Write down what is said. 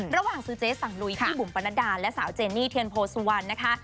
ระหว่างสือเจสังหรุยพี่บุ๋มปันนดาและสาวเจนนี่เทียนโพสต์๑นะคะ